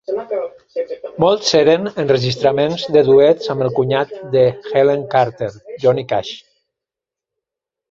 Molts eren enregistraments de duets amb el cunyat d'Helen Carter, Johnny Cash.